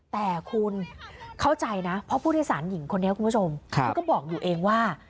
แต่คุณเข้าใจนะเพราะผู้โดยสารหญิงคนนี้คุณผู้ชมเขาก็บอกอยู่เองว่า